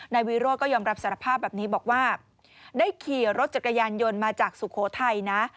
นายวิโรธก็ยอมรับสารภาพแบบนี้บอกว่าได้ขี่รถจักรยานยนต์มาจากสุโขทัยนะ